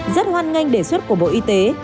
rất hoan nghênh đề xuất của bộ y tế